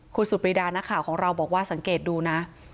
คุณสุปริดาของเราบอกว่าสังเกตดูนะ